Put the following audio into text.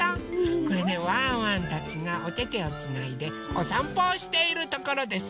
これねワンワンたちがおててをつないでおさんぽをしているところです。